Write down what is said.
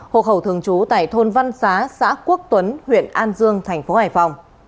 hộ khẩu thường trú tại thôn văn xá xã quốc tuấn huyện an dương tp hcm